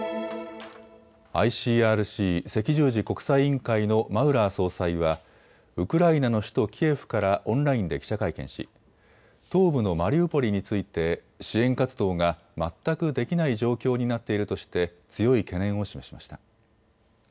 ＩＣＲＣ・赤十字国際委員会のマウラー総裁はウクライナの首都キエフからオンラインで記者会見し東部のマリウポリについて支援活動が全くできない状況になっているとして強い懸念を示しました。